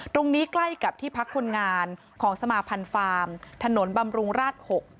ตรงนี้ใกล้กับที่พักคนงานของสมาภัณฑ์ฟาร์มถนนบำรุงราชหก